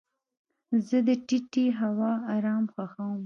زه د ټیټې هوا ارام خوښوم.